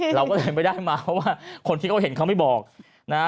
เราก็เลยไม่ได้มาเพราะว่าคนที่เขาเห็นเขาไม่บอกนะฮะ